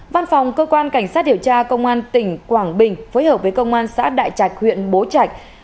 văn phòng cơ quan cảnh sát điều tra công an tỉnh quảng bình phối hợp với công an xã đại trạch huyện bố trạch